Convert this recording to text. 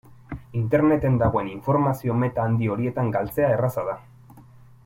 Interneten dagoen informazio-meta handi horietan galtzea erraza da.